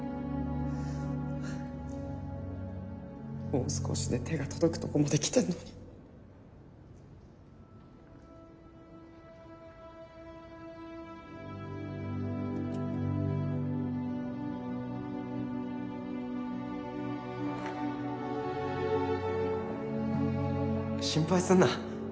もう少しで手が届くとこまで来てんのに心配すんな